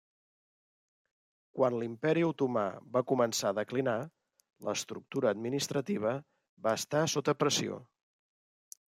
Quan l'Imperi Otomà va començar a declinar, l'estructura administrativa va estar sota pressió.